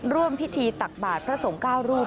ร่วมพิธีตักบาทพระสงฆ์๙รูป